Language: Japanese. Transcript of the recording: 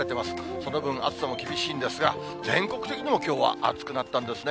その分、暑さも厳しいんですが、全国的にもきょうは暑くなったんですね。